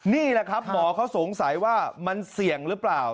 นี่แหละครับหมอเขาสงสัยว่ามันเสี่ยงหรือเปล่า